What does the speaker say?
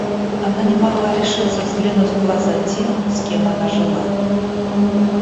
Она не могла решиться взглянуть в глаза тем, с кем она жила.